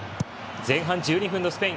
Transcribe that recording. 前半１２分のスペイン。